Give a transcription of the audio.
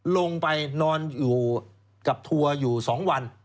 ลงไปนอนอยู่กับทัวร์อยู่๒วัน